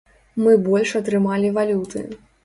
Мы больш атрымалі валюты.